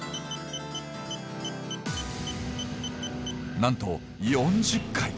なんと４０回！